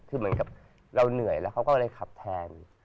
คือเหมือนกับเราเหนื่อยแล้วเขาก็เลยขับแทน